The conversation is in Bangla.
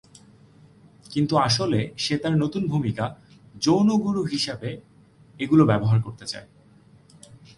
কিন্তু আসলে সে তার নতুন ভূমিকা "যৌন গুরু" হিসেবে এগুলো ব্যবহার করতে চায়।